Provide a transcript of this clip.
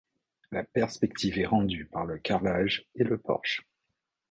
La perspective est rendue par le carrelage et le porche.